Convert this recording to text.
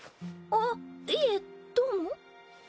あっいえどうも？